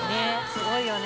すごいよね。